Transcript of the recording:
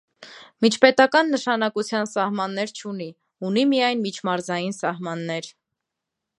Միջպետական նշանակության սահմաններ չունի, ունի միայն միջմարզային սահմաններ։